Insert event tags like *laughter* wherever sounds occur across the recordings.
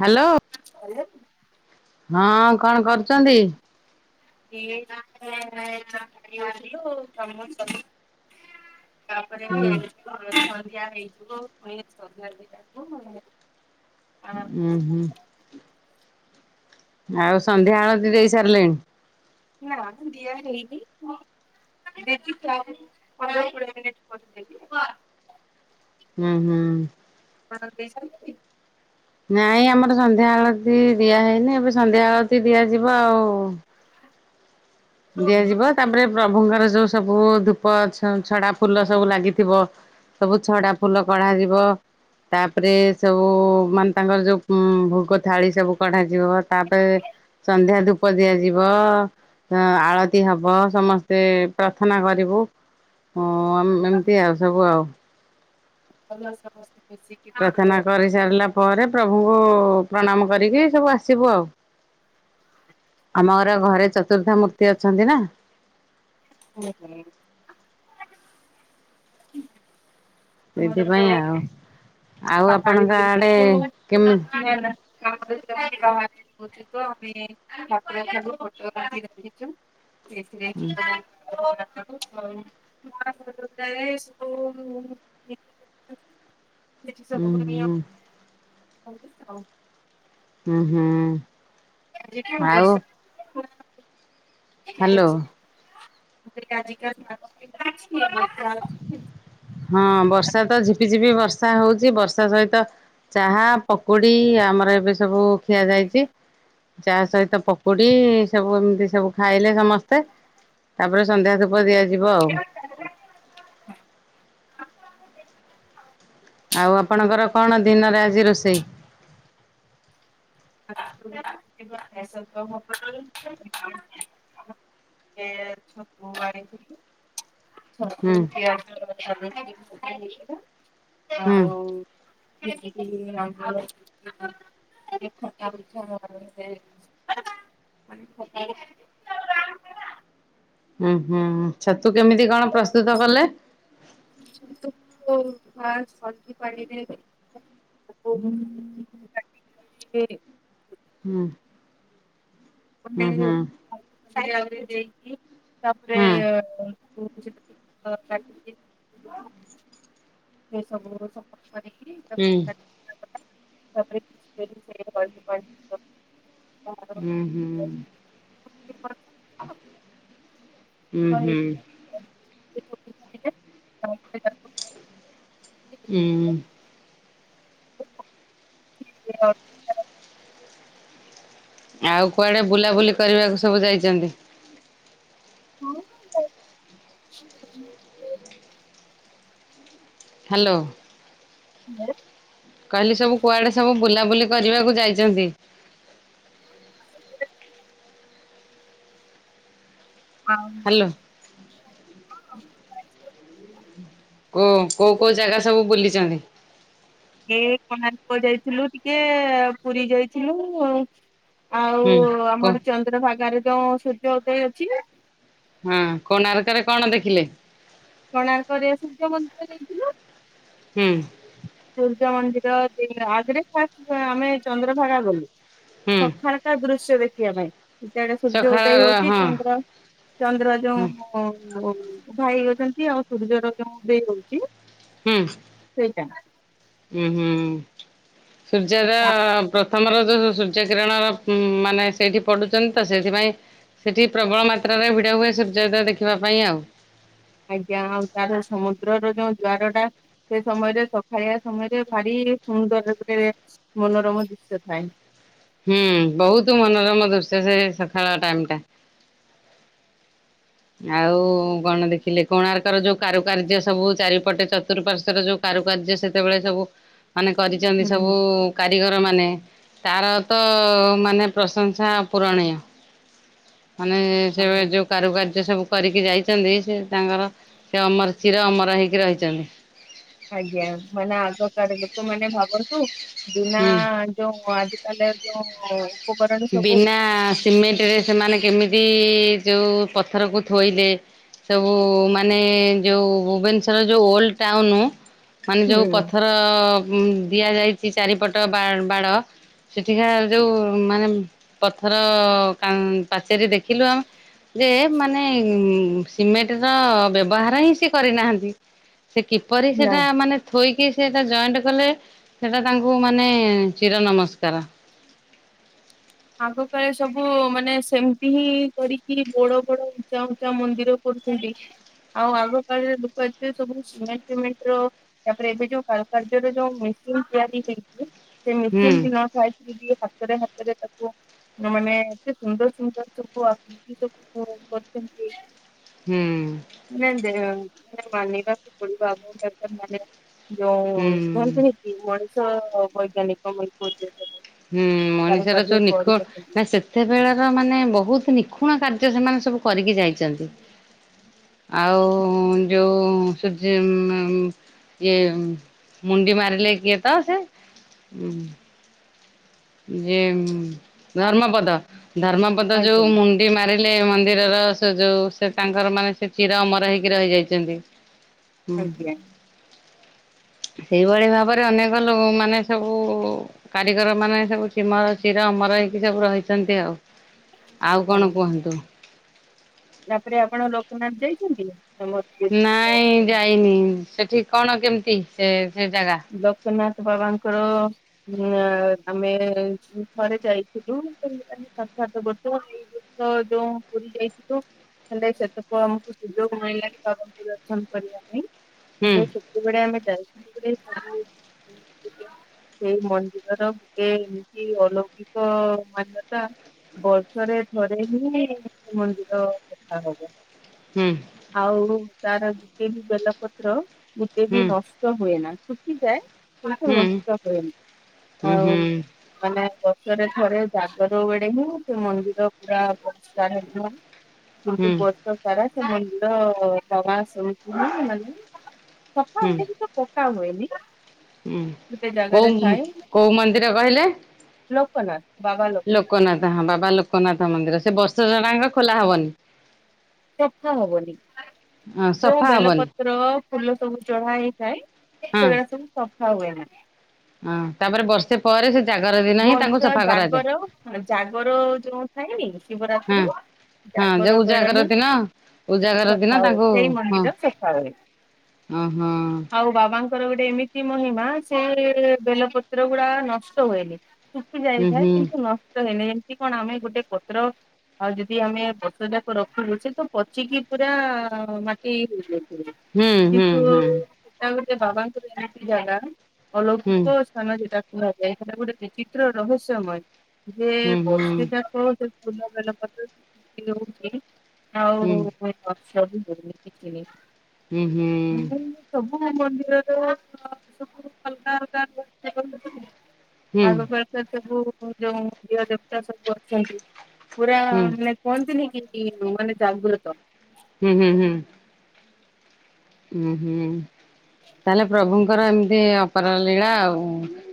Hello. *inaudible* ହଁ କଣ କରୁଚନ୍ତି? *unintelligible* ତାପରେ ବି ସନ୍ଧ୍ୟା ହୁଁ ହେଇଯିବ ପୁଣି ସନ୍ଧ୍ୟା। *unintelligible* ଉଁ ହୁଁ। ଆଉ ସନ୍ଧ୍ୟା ଆଳତୀ ଦେଇ ସାରିଲେଣି। ନା ଦିଆ ହେଇନି। ବଉ ପନ୍ଦ କୋଡିଏ ମିନିଟ କରିଦବି *inaudible* ହୁଁ ହୁଁ। ହଁ *inaudible* ନାଇଁ ଆମର ସନ୍ଧ୍ୟା ଆଳତି ଦିଆହେଇନି ଏବେ ସନ୍ଧ୍ୟା ଆଳତି ଦିଆଯିବ ଆଉ। ଦିଆଯିବ ତାପରେ। ପ୍ରଭୁଙ୍କର ଯୋଉ ସବୁ ଧୂପ ଛଡା ଫୁଲ ସବୁ ଲାଗିଥିବ। ସବୁ ଛଡା ଫୁଲ କଢା ଯିବ। ତାପରେ ସବୁ ମାନେ ତାଙ୍କର ଯୋଉ ଭୋଗ ଥାଳି ସବୁ କଢାଯିବ ତାପରେ ସନ୍ଧ୍ୟା ଧୁପ ଦିଆଯିବ। ଆଳତି ହବ ସମସ୍ତେ ପ୍ରାର୍ଥନା କରିବୁ। ହଁ ଏମିତି ଆଉ ସବୁ ଆଉ। ଭଲ। ମିଶିକି ଟିକେ ପ୍ରାର୍ଥନା କରି ସାରିଲା ପରେ ପ୍ରଭୁଙ୍କୁ ପ୍ରଣାମ କରିକି ସବୁ ଆସିବୁ ଆଉ। ଆମ ଘର ଘରେ ଚତୁର୍ଧା ମୂର୍ତ୍ତି ଅଛନ୍ତି ନା। ହୁଁ ହୁଁ। ମୁର ତ ସେଇଥିପାଇଁ ଆଉ। ଆଉ ମକା *inaudible* ବାହାର ଆପଣଙ୍କ ତ ଆଡେ କେମି ଆମେୁ ଫଛୁ *unintelligible* ସେ ସେ *inaudible* ଉଁ େଶ *inaudible* ସେଠି ହୁଁ ସବୁ ଆଉ *inaudible* ହୁଁ ହୁଁ। ଆ କ ଆଉ କରଷଠିକ ହ୍ୟାଲୋ *inaudible* ଆଜିିକାଛିଛି *inaudible* ହଁ ବର୍ଷା ତ ଝିପି ଝିପି ବର୍ଷା ହଉଚି ବର୍ଷା ସହିତ ଚାହା ପକୁଡି ଆମର ଏବେ ସବୁ ଖିଆ ଯାଇଚି। ଚା ସହିତ ପକୁଡି ସବୁ ଏମିତି ସବୁ ଖାଇଲେ ସମସ୍ତେ। ତାପରେ ସନ୍ଧ୍ୟା ଧୁପ ଦିଆଯିବ ଆଉ। ଆଉ ଆପଣଙ୍କର କଣ ଦିନରେ ଆଜି ରୋଷେଇ? ତ *inaudible* ଏ ଛତୁ ହୁଁ ଆଇଥିଲୁ। ଛତୁ ହୁଁ *unintelligible* ଆଉ। *unintelligible* ହ ସେ *unintelligible* ହୁଁ ହୁଁ ଛତୁ କେମିତି କଣ ପ୍ରସ୍ତୁତ କଲେ? ଫାର୍ଷ୍ଟ ହଲଦି ପାଣି ରେ *unintelligible* *inaudible* ହୁମ ହୁଁ ହୁଁ। ଆହୁରି ଦେଇକି ତାପରେ ହୁଁ ଏ ଉମ୍ *unintelligible* ଏ ସବୁ କରିକି ହୁଁ। ତାକୁ କାଟିଲା *unintelligible* ହୁଁ ହୁଁ। ପାଣିରେ ହୁଁ ହୁଁ। *unintelligible* ତପରେ ତାକୁ ହୁଁ। *inaudible* ଆଉ କୁଆଡ଼େ ବୁଲାବୁଲି କରିବାକୁ ସବୁ ଯାଇଚନ୍ତି। ହଁ ଯାଇଥିଲୁ ହ୍ୟାଲୋ। *unintelligible* କହିଲି ସବୁ କୁଆଡେ ସବୁ ବୁଲାବୁଲି କରିବାକୁ ଯାଇଚନ୍ତି? *inaudible* ହ୍ୟାଲୋ *unintelligible* କୋଉ କୋଉ ଯାଇଥିଲୁ କୋଉ ଜାଗା ସବୁ ବୁଲିଚନ୍ତି? ଏ କୋଣାର୍କ ଯାଇଥିଲୁ ଟିକେ ପୁରୀ ଯାଇଥିଲୁ ଆଉ ଆଉ ହୁଁ କୋ ଆମର ଚନ୍ଦ୍ରଭାଗାରେ ଯୋଉ ସୂର୍ଯ୍ୟ ଉଦୟ ଅଛି। ହଁ କୋଣାର୍କରେ କଣ ଦେଖିଲେ? କୋଣାର୍କରେ ସୂର୍ଯ୍ୟ ମନ୍ଦିର ଯାଇଥିଲୁ। ହୁଁ। ତ ଆଗରେ ଫାଷ୍ଟ ଆମେ ଚନ୍ଦ୍ରଭାଗା ଗଲୁ ହୁଁ ସଖାଳଟା ଦୃଶ୍ୟ ଦେ ଦେଖିବା ପାଇଁ ଯେତେବେଳେ ସୂର୍ଯ୍ୟ ଉଦୟ ସକାଳ ହୋଉଚି ହଁ ଚନ୍ଦ୍ର ଚନ୍ଦ୍ର ହୁଁ ଯୋଉଁ ଆଉ ଭାଇ ଅଛନ୍ତି ଆଉ ସୂର୍ଯ୍ୟର କେଉଁ ଉଦୟ ହୋଉଚି। ସେଇଟା ଉଁ ହୁଁ ସୂର୍ଯ୍ୟୋଦୟ ପ୍ରଥମର ଯୋଉ ସୂର୍ଯ୍ୟ କିରଣର ମାନେ ସେଇଠି ପଡୁଚନ୍ତି ତ ସେଇଥିପାଇଁ ସେଠି ପ୍ରବଳ ମାତ୍ରାରେ ଭିଡ ହୁଏ ସୂର୍ଯ୍ୟୋଦୟ ଦେଖିବା ପାଇଁ ଆଉ। ଆଜ୍ଞା ଆଉ ତାର ସମୁଦ୍ରର ଯୋଉ ଜୁଆରଟା ସେ ସମୟରେ ସଖାଳିଆ ସମୟରେ ଭାରି *unintelligible* କି ସୋନ୍ଦର୍ଯ୍ୟର ଗୋଟେ ମନୋରମ ଦୃଶ୍ୟ ଥାଏ। ହୁଁ ବୋହୁତ ମନୋରମ ଦୃଶ୍ୟ ସେ ସଖାଳ ଟାଇମ୍ ଟା। ଆଉ କଣ ଦେଖିଲେ କୋଣାର୍କର ଯୋଉ କାରୁକାର୍ଯ୍ୟ ସବୁ ଚାରିପଟେ ଚତୁଃପାର୍ଶ୍ଵରେ ଯୋଉ କା କାରୁ କାର୍ଯ୍ୟ ସେତେବେଳେ ସବୁ ମାନେ କରିଚନ୍ତି ସବୁ ହୁଁ କାରିଗର ମାନେ ତାର ତ ମାନେ ପ୍ରଶଂସା ଅପୂରଣୀୟ। ମାନେ ସେ ବେ ଆଉ ଯୋଉ କାରୁକା ର୍ଯ୍ୟ ସେସବୁ କରିକି ଯାଇଚନ୍ତି ସେ ତାଙ୍କର ସେ ଅମର ଚିର ଅମର ହେଇକି ରହିଚନ୍ତି। ଆଜ୍ଞା ମାନେ ଆଗ କାଳେ ଲୋକ ମାନେ ଭାବନ୍ତୁ ବିନା ହୁଁ ଯୋଉ ଆଜି ତାହେଲେ ଯୋଉଁ ବିନା ସିମେଣ୍ଟ ରେ ସେମାନେ କେମିତି କି ଯୋଉ ପଥରକୁ ଥୋଇଲେ ସବୁ ମାନେ ଯୋଉ ଭୁବନେଶ୍ୱର ଯୋଉ ଓଲ୍ଡ ଟାଉନୁ ମାନେ ହୁଁ ଯୋଉ ପଥର ଉ ଦିଆଯାଇଚି ଚାରିପଟ ବା-ବାଡ ସେଠିକା ଯେଉଁ ମାନେ ଉଁ ପଥର କା ପାଚେରୀ ଦେଖିଲ ଯେ ମାନେ ସିମେଣ୍ଟ ର ବ୍ୟବହାର ହିଁ ସେ କରିନାହାନ୍ତି। ସେ କିପରି ନା। ସେଟା ମାନେ ଥୋଇକି ସେଟା ଜଏଣ୍ଟ କଲେ ସେଟା ତାଙ୍କୁ ମାନେ ଚିର ନମସ୍କାର। ଆଗ କାଳେ ସବୁ ମାନେ ସେମିତି ହିଁ କରିକି ବଡ ବଡ ଉଚ୍ଚା ଉଚ୍ଚା ମନ୍ଦିର କରୁ ଚନ୍ତି। ଆଉ ଆଗ କାଳରେ ଲୋକ ଏତେ ସବୁ ସିମେଣ୍ଟି ଫିମେଣ୍ଟ ର ତାପରେ ଏବେ ଯୋଉ କାରୁକାର୍ଯ୍ୟ ର ଯୋଉ ତିଆରି ହେଇଚି ସେ ହୁଁ। ମେସିନ୍ ବି ନ ପାଇକି ବି ହାତରେ ହାତରେ ତାକୁ ମାନେ ଏତେ ସୁନ୍ଦର ସୁନ୍ଦର ସବୁ ଆକୃତି ସବୁ କରିଚନ୍ତି। ହୁଁ ନା ଦେ *unintelligible* ବନେଇବାକୁ ପଡିବ ଆଗ‌କୁ *unintelligible* ଯୋଉ ହୁଁ କୁହନ୍ତିନି କି ମଣିଷ ବୈଜ୍ଞାନିକ ମାନେ କୋହୁଥିଲେ। ହୁଁ ମଣିଷର ଯୋଉ ନିଖୋ କରିପାରୁଛନ୍ତି ନା ସେତେବେଳର ମାନେ ବହୁତ ନି କ୍ଷୁଣ କାର୍ଯ୍ୟ ସେମାନେ ସବୁ କରିକି ଯାଇଚନ୍ତି। ଆଉ ଯୋଉ ସୂର୍ଯ୍ୟ ମେ ଇଏ ମୁଣ୍ଡି ମାରିିଲେ କିଏ ତ ସିଏ? ଯେ ଧର୍ମପଦ ଧର୍ମପଦ ଯୋଉ ଆଜ୍ଞା ମୁଣ୍ଡି ମାରିଲେ ମ ନ୍ଦିରର ସେ ଯୋଉ ସେ ତାଙ୍କର ମାନେ ସେ ଚିର ଅମର ହେଇକି ରହିଯାଇଚନ୍ତି। ହୁଁ। ଆଜ୍ଞା ସେଇଭଳି ଭାବରେ ଅନେକ ଲୋ ମାନେ ସବୁ କାରିଗର ମାନେ ସବୁ ସିମର ଚିର ଅମର ହେଇକି ସବୁ ରହିଛନ୍ତି ଆଉ। ଆଉ ହଁ। କଣ କୁହନ୍ତୁ? ତାପରେ ଆପଣ ଲୋକନାଥ ଯାଇଛନ୍ତି? ଆମ ପୁରୀରେ ନାଇଁ ଯୋଉ ଯାଇନି। ସେଠି କଣ କେମତି ସେ ସେ ଜାଗା? ଲୋକନାଥ ବାବାଙ୍କର ଆଁ ଆମେ ଥରେ ଯାଇଥିଲୁ, ସେମତି ତାଙ୍କୁ ସାକ୍ଷାତ କରିଥିଲୁ *unintelligible* ଯୋଉଁ ପୁରୀ ଯାଇଥିଲୁ, ହେଲେ ସେତେବେଳେ ଆମକୁ ସୁଯୋଗ ମିଳିଲାଣି ବାବାଙ୍କୁ ଦର୍ଶନ କରିବା। ହୁଁ ହେଲେ ସେତେବେଳେ ଆମେ ଯାଇଥିବା ବେଳେ *unintelligible* ସେଇ ମନ୍ଦିରର ଗୋଟେ ଏମିତି ଅଲୌକିକ ମାନ୍ୟତା ବର୍ଷରେ ଥରେ ହିଁ ମନ୍ଦିର ସଫା ହବ। ହୁଁ ଆଉ ତାର ଗୋଟେ ହିଁ ବେଲପତ୍ର ଗୋଟେ ବି ହୁଁ ନଷ୍ଟ ହୁଏନା। ଶୁଖିଯାଏ ମାନେ ହୁଁ ନଷ୍ଟ ହୁଏନି। ହୁଁ ଆଉ ହୁଁ ମାନେ ବର୍ଷରେ ଥରେ ଜାଗର ବେଡେ ହିଁ ସେ ମନ୍ଦିର ପୁରା ପରିଷ୍କାର ହୁଏ। କିନ୍ତୁ ହୁଁ ବର୍ଷ ସାରା ସେ ମନ୍ଦିର *unintelligible* *unintelligible* ମାନେ ସଫା ହୁଁ ହୁଏନି ତ ପକା ହୁଏନି। ହୁଁ ଗୋଟେ ଜାଗାରେ କୋଉ ଥାଏ କୋଉ ମନ୍ଦିର କହିଲେ? ଲୋକନାଥ। ଲୋକନାଥ ହଁ ବାବା ଲୋକନାଥ ମନ୍ଦିର। ସେ ବର୍ଷକ ସାରା ଯାକ ଖୋଲା ହବନି? ସଫା ହବନି। ହଁ ଯୋଉ ସଫା ହବନି ବେଲପତ୍ର ଫୁଲ ସବୁ ଚଢା ହେଇଥାଏ ହଁ ସେଗୁରା ସବୁ ସଫା ହୁଏନି। ହଁ ତାପରେ ବର୍ଷେ ପରେ ସେ ଜାଗର ଦିନ ହିଁ ତାଙ୍କୁ ବର୍ଷା ସଫା କରାଯାଏ। ଜାଗର ଜାଗର ଯୋଉଁ ଥାଏନି, ହଁ ଶିବରାତ୍ରୀ। ହଁ ଯୋଉ ଉଜାଗର ଦିନ ଉଜାଗର ଦିନ ସଫା ହୁଏ ତାଙ୍କୁ ସେଇ ହଁ ମନ୍ଦିର ସଫା ହୁଏ ଅ ହଁ। ତାଙ୍କର ଗୋଟେ ଏମିତି ମହିମା, ସେ ବେଲପତ୍ର ଗୁଡା ନଷ୍ଟ ହୁଏନି। ଶୁଖି ହୁଁ ଯାଇଥାଏ ହୁଁ କିନ୍ତୁ ନଷ୍ଟ ହେଇନାହିଁ। ଏମତି କଣ ଆମେ ଗୋଟେ ପତ୍ର ଆଉ ଯଦି ଆମେ ପ୍ରସାଦକୁ ରଖିଲୁ, ସେ ତ ପଚିକି ପୁରା ମାଟି ହୋଇଯାଏ। ହୁଁ ହୁଁ କିନ୍ତୁ ହୁଁ। ତା *unintelligible* ବାବାଙ୍କର ଏମତି ଜାଗା ଅଲୌକିକ ସ୍ଥାନ ଯେଟା କୁହାଯାଏ। ସେଟା ଗୋଟେ ଚିତ୍ର ରହସ୍ୟମୟ। ଯେ ବର୍ଷେ ଯାକ ଯଦି ଫୁଲ ବେଲ ପତ୍ର *unintelligible* ଆଉ *unintelligible* ସବୁ *unintelligible* ହୁଁ ହୁଁ। କୋଉ ମନ୍ଦିରର ସବୁ ଅଲଗା ଅଲଗା *unintelligible* ଆଗକାଳର ସବୁ ଯୋଉଁ ଦିଅଁ ଦେବତା ସବୁ ଅଛନ୍ତି ପୁରା ମାନେ କୁହନ୍ତିନି କି ମାନେ ଜାଗୃତ। ହୁଁ ହୁଁ ହୁଁ। ହୁଁ ହୁଁ। ତାହେଲେ ପ୍ରଭୁଙ୍କର ଏମିତି ଅପାର ଲୀଳା ଆଉ।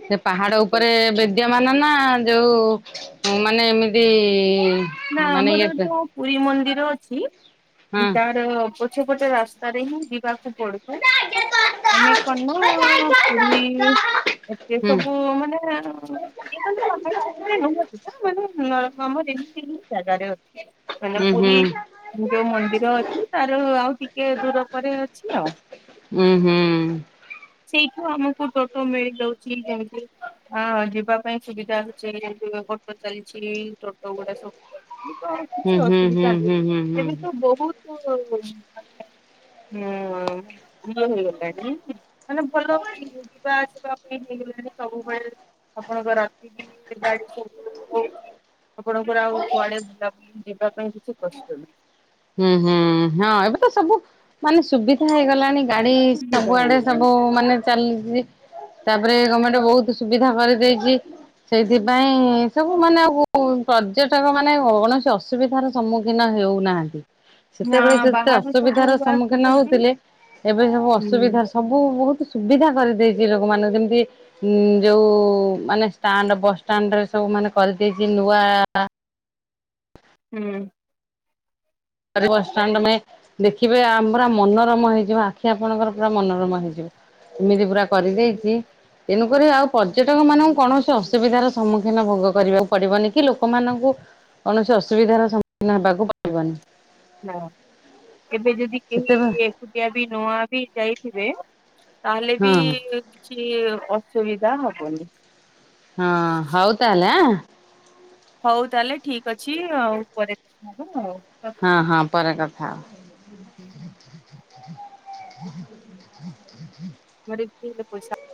ସେ ପାହାଡ଼ ଉପରେ ବିଦ୍ୟମାନ ନା, ଯୋଉ ମାନେ ଏମିତି ନା ମାନେ ଆମର ଇଏ ହଁ। ଯୋଉ ପୁରୀ ମନ୍ଦିର ଅଛି ହୁଁ ତାର ପଛ ପଟେ ରାସ୍ତାରେ ହିଁ ଯିବାକୁ ପଡ଼ିବ ଆମେ କରନୁ ଆଉ ପୁରୀ ଏତେ ସବୁ ମାନେ ଇଏ ତାହେଲେ ପାହାଡ଼ ଉପରେ ନୁହଁନ୍ତି ନା ମାନେ ନର ହଁ *unintelligible* ଜାଗାରେ ଅଛି ମାନେ ଉଁ ହୁଁ, ପୁରୀ ଯୋଉ ମନ୍ଦିର ଅଛି ତାର ଆଉ ଟିକେ ଦୂର ପରେ ଅଛି ଆଉ। ହୁଁ ହୁଁ। ସେଇଠୁ ଆମକୁ ଟୋଟୋ ମିଳିଯାଉଛି, ଯେମିତି ଆ ଯିବା ପାଇଁ ସୁବିଧା ହଉଛି ଯେମତି ଟୋଟୋ ଚାଲିଛି, ଟୋଟୋ ଗୁଡ଼ା ସବୁ ଚା ଏବେ ତ ହୁଁ କିଛି ହୁଁ ହୁଁ ଅସୁବିଧା ହୁଁ ହୁଁ ନାହିଁ। ହୁଁ। ଏବେ ତ ବହୁତ *unintelligible* ହୁଁ *unintelligible* ମାନେ ଭଲଇ ଯିବା ଆସିବା ପାଇଁ ହେଇଗଲାଣି ସବୁ ପାଇଁ ଆପଣଙ୍କ ରାତି ବି ଗାଡ଼ି ସବୁ ରହିଛି? ଆପଣଙ୍କର ଆଉ କୁଆଡେ ବୁଲାବୁଲି ଯିବା ପାଇଁ କିଛି କଷ୍ଟ ନାହିଁ। ହୁଁ ହୁଁ ହଁ ଏବେ ତ ସବୁ, ମାନେ ସୁବିଧା ହେଇଗଲାଣି ଗାଡି ସୁବିଧା ସବୁଆଡେ ହେଇଗଲାଣି। ସବୁ ମାନେ ଚାଲିଚି। ତାପରେ ଗଭର୍ଣ୍ଣମେଣ୍ଟ ବହୁତ ସୁବିଧା କରିଦେଇଚି। ସେଇଥିପାଇଁ ସବୁ ମାନେ ଆ ପର୍ଯ୍ୟଟକ ମାନେ କୌଣସି ଅସୁବିଧାର ସମ୍ମୁଖୀନ, ହେଉନାହାନନ୍ତି। ନା ବାହାରୁ ସବୁ ଆସୁଛନ୍ତି ଏବେ ସବୁ ହୁଁ ଅସୁବିଧା ସବୁ ବହୁତ୍, ସୁବିଧା କରିଦେଇଛି ଲୋକମାନଙ୍କୁ ଯେମିତି ଯଉ ମାନେ ଷ୍ଟାଣ୍ଡ ବସଷ୍ଟାଣ୍ଡ ରେ ସବୁ ମାନେ କରିଦେଇଛି ନୂଆ, ହୁଁ। ଆରେ ବସ୍ ଷ୍ଟାଣ୍ଡମେ ଦେଖିବେ ଆମ ପୁରା ମନୋରମ ହେଇଯିବ ଆଖି ଆପଣଙ୍କର ପୁରା ମନୋରମ ହେଇଯିବ। ଏମିତି ପୁରା କରିଦେଇଚି ତେଣୁକରି ଆଉ ପର୍ଯ୍ୟଟକ ମାନଙ୍କୁ କୌଣସି ଅସୁବିଧାର ସମ୍ମୁଖୀନ ଭୋଗ କରିବାକୁ ପଡ଼ିବନି କି ଲୋକମାନଙ୍କୁ, କୌଣସି ଅସୁବିଧାର ସମ୍ମୁଖୀନ ହେବାକୁ ପଡିବନି। ନା ଏବେ ଯଦି କେହି ସେତେବେଳେ ଏକୁଟିଆ ବି ନୂଆ ବି ଯାଇଥିବେ, ତାହେଲେ ବି ହଁ କିଛି ଅସୁବିଧା ହବନି। ହଁ ହଉ ତାହେଲେ ଆଁ। ହଉ ତାହେଲେ ଠିକ ଅଛି ଆଉ ପରେ କଥାହେବା ଆଉ।, ହଁ ରଖୁଛି। ହଁ ପରେ କଥା, ହବା। *inaudible* ମରେ ପିବେ ପଇସା।